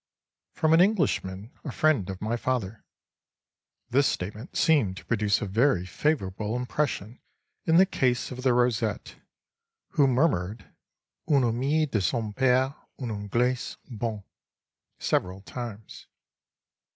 —"From an Englishman, a friend of my father." This statement seemed to produce a very favorable impression in the case of the rosette, who murmured: "Un ami de son père, un Anglais, bon!" several times.